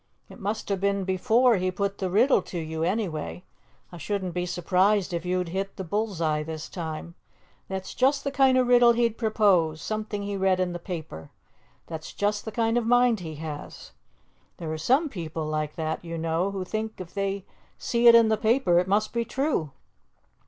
It must have been before he put the riddle to you, anyway. I shouldn't be surprised if you'd hit the bull's eye this time. That's just the kind of riddle he'd propose something he read in the paper! That's just the kind of mind he has. There are some people like that, you know, who think if they see it 'in the paper,' it must be true."